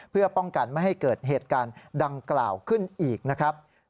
เพื่อป้องกันไม่ให้เกิดเหตุการณ์ดังกล่าวขึ้นอีกนะครับ